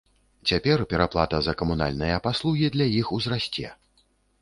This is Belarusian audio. Цяпер пераплата за камунальныя паслугі для іх узрасце.